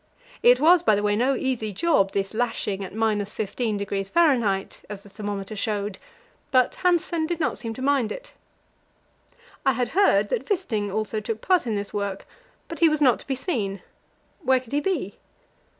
It was, by the way, no easy job, this lashing at 15°F., as the thermometer showed, but Hanssen did not seem to mind it. I had heard that Wisting also took part in this work, but he was not to be seen. Where could he be?